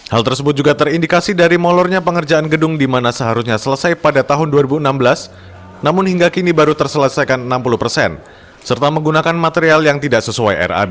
hal tersebut juga terindikasi dari molornya pengerjaan gedung di mana seharusnya selesai pada tahun dua ribu enam belas namun hingga kini baru terselesaikan enam puluh persen serta menggunakan material yang tidak sesuai rab